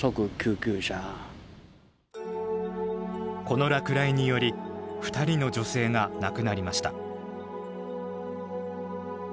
この落雷により２人の女性が亡くなりました。